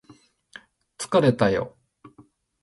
疲れたよ